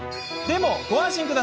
でも、ご安心を。